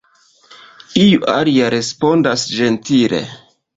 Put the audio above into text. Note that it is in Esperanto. Iu alia, respondas ĝentile.